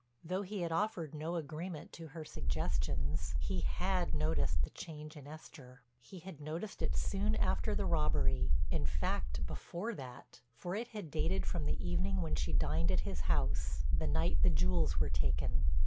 Though he had offered no agreement to her suggestions, he had noticed the change in Esther. He had noticed it soon after the robbery, in fact before that, for it had dated from the evening when she dined at his house, the night the jewels were taken.